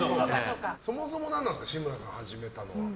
そもそも何なんすか志村さん始めたのは。